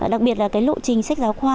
đặc biệt là cái lộ trình sách giáo khoa